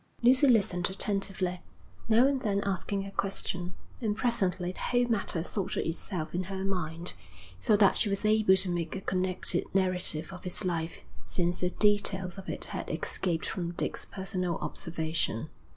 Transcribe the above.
Lucy listened attentively, now and then asking a question; and presently the whole matter sorted itself in her mind, so that she was able to make a connected narrative of his life since the details of it had escaped from Dick's personal observation.